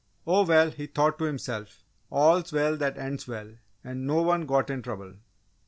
"Oh, well," thought he to himself, "'all's well that ends well' and no one got in trouble!"